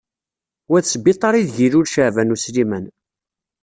Wa d sbiṭar ideg ilul Caɛban U Sliman.